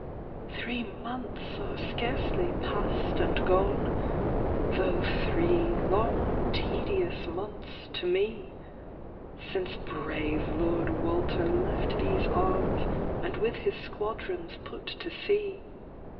" Three months are scarcely pass'd and gone, Tho' three long tedious months to me, Since brave Lord Walter left these arms, And with his squadrons put to sea.